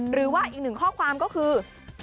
หรือว่าอีกหนึ่งข้อความก็คือ